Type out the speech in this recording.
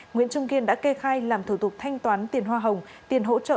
nguyễn trung kiên đã kê khai làm thủ tục thanh toán tiền hoa hồng tiền hỗ trợ